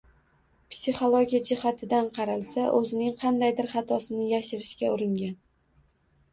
Psixologiya jihatidan qaralsa, o‘zining qandaydir xatosini yashirishga uringan